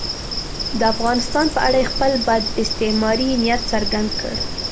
د افغانستان په اړه یې خپل بد استعماري نیت څرګند کړ.